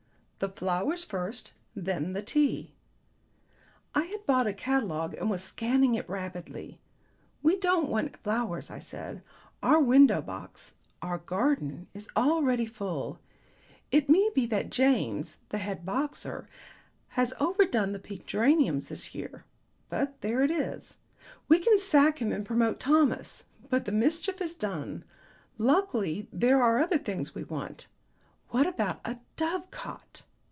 "The flowers first; then the tea." I had bought a catalogue and was scanning it rapidly. "We don't want flowers," I said. "Our window box our garden is already full. It may be that James, the head boxer, has overdone the pink geraniums this year, but there it is. We can sack him and promote Thomas, but the mischief is done. Luckily there are other things we want. What about a dove cot?